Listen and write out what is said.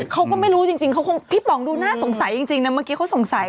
เขาก็ไม่รู้จริงเขาคงพี่ป๋องดูน่าสงสัยจริงนะเมื่อกี้เขาสงสัย